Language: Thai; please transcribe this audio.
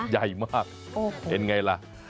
ใหญ่มากเป็นไงล่ะ